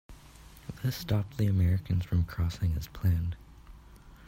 This stopped the Americans from crossing as planned.